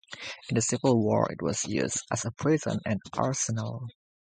In the Civil War it was used as a prison and arsenal.